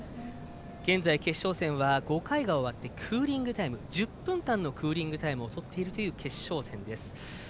現在、決勝戦は５回が終わって１０分間のクーリングタイムをとっているという決勝戦です。